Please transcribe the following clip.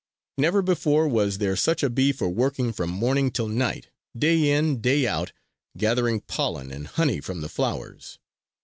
Never before was there such a bee for working from morning till night, day in, day out, gathering pollen and honey from the flowers.